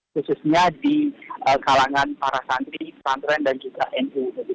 khususnya di kalangan para santri pesantren dan juga nu